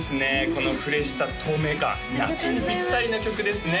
このフレッシュさ透明感夏にピッタリな曲ですね